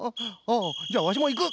じゃあワシもいく！